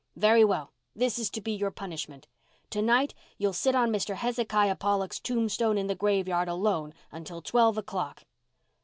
"Very well. This is to be your punishment. To night you'll sit on Mr. Hezekiah Pollock's tombstone in the graveyard alone, until twelve o'clock."